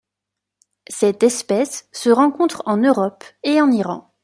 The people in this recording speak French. Cette espèce se rencontre en Europe et en Iran.